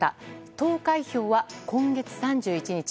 投開票は今月３１日。